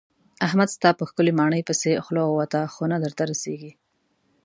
احمد ستا په ښکلې ماڼۍ پسې خوله ووته خو نه درته رسېږي.